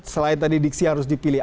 selain tadi diksi yang harus dipilih